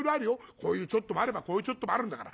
こういうちょっともあればこういうちょっともあるんだから。